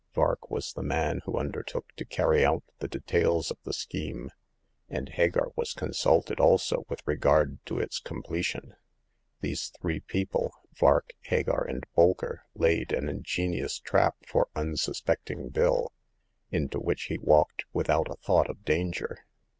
Vark was the man who undertook to carry out the de tails of the scheme ; and Hagar was consulted also with regard to its completion. These three people, Vark, Hagar, and Bolker, laid an ingeni ous trap for unsuspecting Bill, into which he walked without a thought of danger.